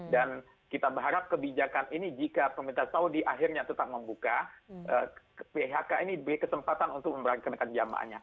dan kita berharap kebijakan ini jika pemerintah saudi akhirnya tetap membuka phk ini beri kesempatan untuk memberikan jemaahnya